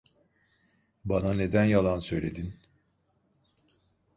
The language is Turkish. Bana neden yalan söyledin?